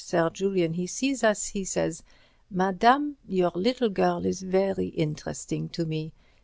the great Sir Julian sees us, he says—'Madame, your little girl is very interesting to me.